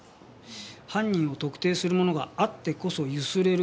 犯人を特定するものがあってこそ強請れるわけだしな。